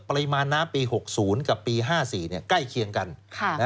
ปริมาณน้ำปี๖๐กับปี๕๔ใกล้เคียงกัน